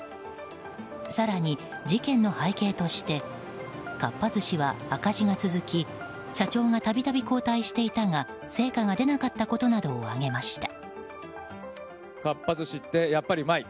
更に、事件の背景としてかっぱ寿司は赤字が続き社長がたびたび交代していたが成果が出なかったことなどを挙げました。